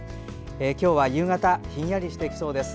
今日は夕方ひんやりしてきそうです。